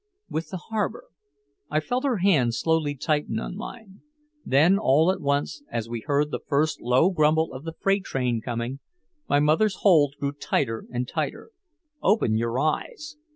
"With the harbor." I felt her hand slowly tighten on mine. Then all at once as we heard the first low grumble of the freight train coming, my mother's hold grew tighter and tighter. "Open your eyes."